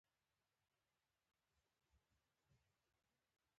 هغه د دریاب پر څنډه ساکت ولاړ او فکر وکړ.